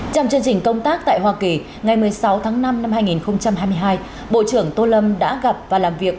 trong chương trình công tác tại hoa kỳ ngày một mươi sáu tháng năm năm hai nghìn hai mươi hai bộ trưởng tô lâm đã gặp và làm việc